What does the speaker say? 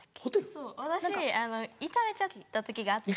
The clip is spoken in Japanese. そう私痛めちゃった時があって。